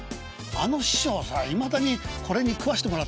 「あの師匠さいまだにこれに食わしてもらってんだよ」。